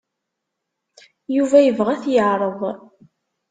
Yuba yebɣa ad t-yeɛreḍ.